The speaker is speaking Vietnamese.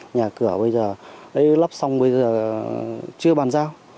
nhà cửa bây giờ đã lắp xong bây giờ chưa bàn giao